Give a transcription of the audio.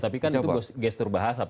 tapi kan itu gestur bahasa